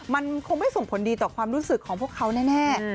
มันคงไม่ส่งผลดีต่อความรู้สึกของพวกเขาแน่